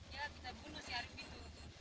ya kita bunuh si arief itu